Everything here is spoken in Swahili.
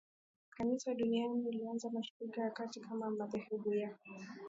Kanisa duniani ulianza Mashariki ya Kati kama madhehebu ya